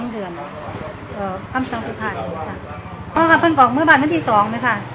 สำคดีค่ะเราก็พังมือบ้านวันที่สองกันนะคะ